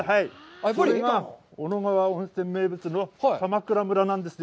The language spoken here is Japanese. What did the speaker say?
これが小野川温泉名物のかまくら村なんですよ。